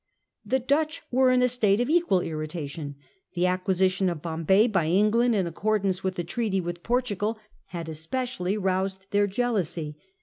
The Dutch were in a state of equal irritation. The acquisition of Bombay by England, in accordance with the treaty with Portugal, had especially roused their jealousy.